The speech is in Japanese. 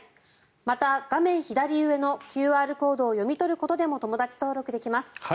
また、画面左上のＱＲコードを読み取ることでも友だち登録できます。